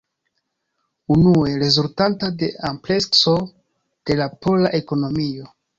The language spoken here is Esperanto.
Unue: rezultanta de amplekso de la pola ekonomio.